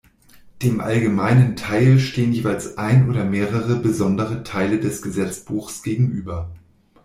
Dem Allgemeinen Teil stehen jeweils ein oder mehrere "besondere Teile" des Gesetzbuchs gegenüber.